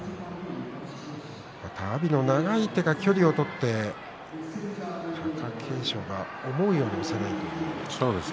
阿炎の長い手が距離を取って貴景勝が思うように押せないという相撲があります。